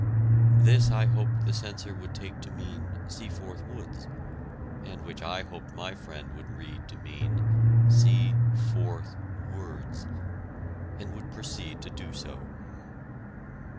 This I hoped the censor would take to mean "Seaforth Woods"; and which I hoped my friend would read to mean "See fourth words"; and would proceed to do so.